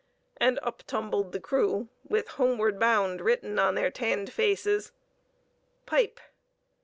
and up tumbled the crew with "homeward bound" written on their tanned faces. (Pipe.)